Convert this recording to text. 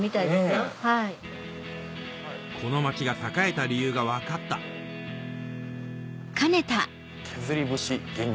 この町が栄えた理由が分かった「削り節」。